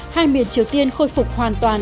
hai miền triều tiên khôi phục hoàn toàn